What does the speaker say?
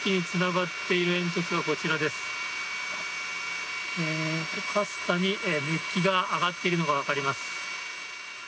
かすかに熱気が上がっているのがわかります。